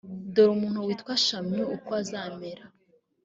dore umuntu witwa shami uko azamera